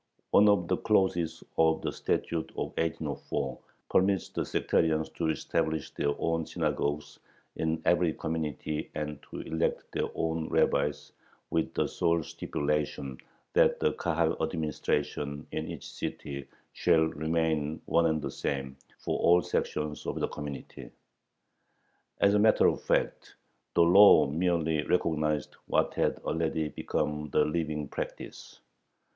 One of the clauses of the Statute of 1804 permits the sectarians to establish their own synagogues in every community and to elect their own rabbis, with the sole stipulation that the Kahal administration in each city shall remain one and the same for all sections of the community. As a matter of fact, the law merely recognized what had already become the living practice.